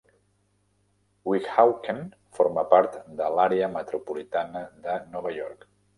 Weehawken forma part de l'àrea metropolitana de Nova York.